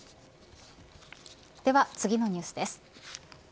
では、次のニュースです。